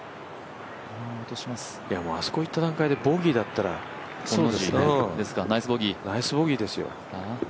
あそこいった段階でボギーなら、ナイスボギーですよ。